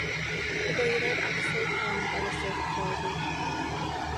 Cyfeirir at y set hon fel y set hyfforddi.